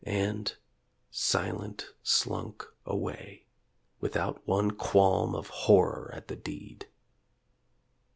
. and, silent slunk away Without one qualm of horror at the deed.